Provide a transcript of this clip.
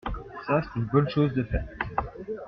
Ça, c’est une bonne chose de faite.